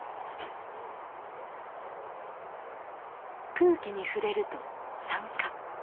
空気に触れると酸化。